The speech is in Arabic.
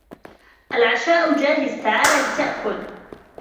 العشاء جاهز تعال لتأكل